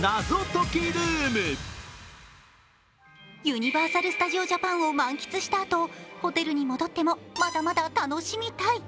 ユニバーサル・スタジオ・ジャパンを満喫したあと、ホテルに戻ってもまだまだ楽しみたい。